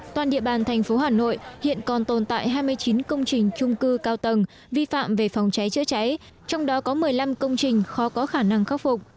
toàn địa bàn thành phố hà nội hiện còn tồn tại hai mươi chín công trình trung cư cao tầng vi phạm về phòng cháy chữa cháy trong đó có một mươi năm công trình khó có khả năng khắc phục